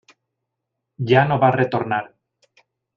Ja no va retornar.